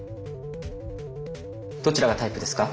どちらがタイプですか？